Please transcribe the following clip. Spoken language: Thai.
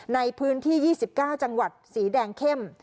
ในพื้นที่๒๙จังหวัดสีแดงเข้ม